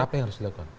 apa yang harus dilakukan